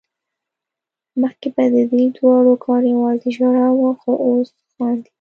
مخکې به ددې دواړو کار يوازې ژړا وه خو اوس خاندي